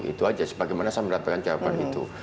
itu aja bagaimana saya mendapatkan jawaban itu